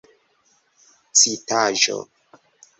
citaĵo